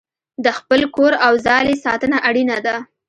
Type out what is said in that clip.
د خپل کور او ځالې ساتنه اړینه ده.